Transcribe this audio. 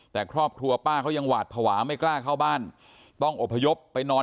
แต่ครอบครัวป้าเขายังหวาดภาวะไม่กล้าเข้าบ้านต้องอบพยพไปนอน